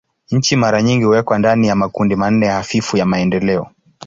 Nchi mara nyingi huwekwa ndani ya makundi manne hafifu ya maendeleo.